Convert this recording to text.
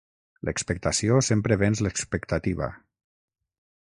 L'expectació sempre venç l'expectativa.